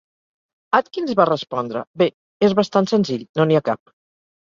Atkins va respondre: "Bé, és bastant senzill: no n'hi ha cap".